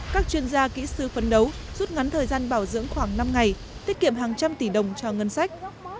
các chuyên gia kỹ sư phấn đấu rút ngắn thời gian bảo dưỡng khoảng năm ngày tiết kiệm hàng trăm tỷ đồng cho ngân sách